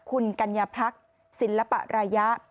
คุณกัญญาพักศิลปะระยะ